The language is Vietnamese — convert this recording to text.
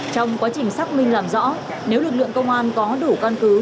trong quá trình xác minh làm rõ nếu lực lượng công an có đủ căn cứ